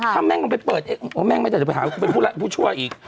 ถ้าแม่งลงไปเปิดแม่งไม่ได้ไปหาเป็นผู้ชั่วอีก